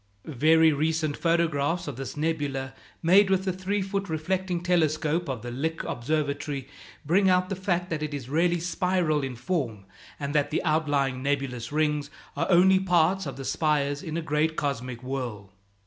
Very recent photographs of this nebula, made with the three foot reflecting telescope of the Lick Observatory, bring out the fact that it is really spiral in form, and that the outlying nebulous rings are only parts of the spires in a great cosmic whorl.